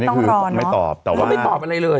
เขาก็ต้องรอเนอะ